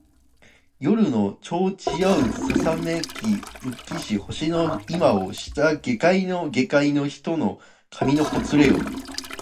夜の帳ちやうにささめき尽きし星の今を下界げかいの人の髪のほつれよ